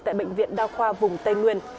tại bệnh viện đao khoa vùng tây nguyên